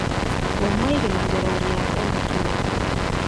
Ko mwei Kimonjororiat eng korokoret